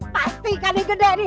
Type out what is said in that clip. pasti ikannya gede nih